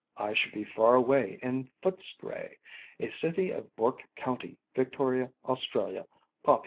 I should be far away in Footscray, a city of Bourke County, Victoria, Australia, pop.